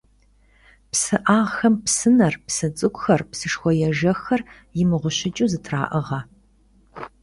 ПсыӀагъхэм псынэр, псы цӀыкӀухэр, псышхуэ ежэххэр имыгъущыкӀыу зэтраӀыгъэ.